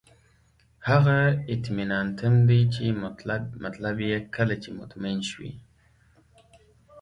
هغه اطماننتم دی چې مطلب یې کله چې مطمئن شوئ.